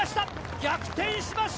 逆転しました。